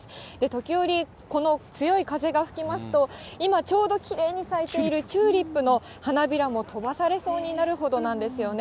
時折、この強い風が吹きますと、今ちょうど、きれいに咲いているチューリップの花びらも飛ばされそうになるほどなんですよね。